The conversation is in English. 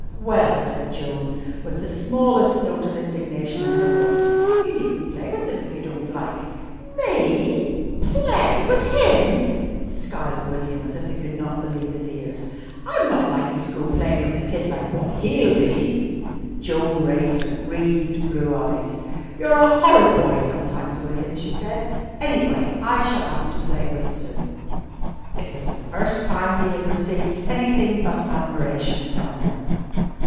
"Well," said Joan, with the smallest note of indignation in her voice, "you needn't play with him if you don't like." "Me? Play? With him?" scowled William as if he could not believe his ears. "I'm not likely to go playin' with a kid like wot he'll be!" Joan raised aggrieved blue eyes. "You're a horrid boy sometimes, William!" she said. "Any way, I shall have him to play with soon." It was the first time he had received anything but admiration from her.